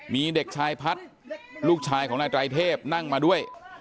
มีเด็กชายพัฒน์ลูกชายของนายไตรเทพนั่งมาด้วย